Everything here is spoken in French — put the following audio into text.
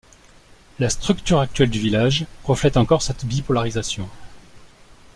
La structure actuelle du village reflète encore cette bipolarisation.